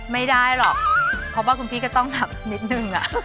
ไม่ได้หรอกเพราะว่าคุณพี่ก็ต้องแบบนิดนึง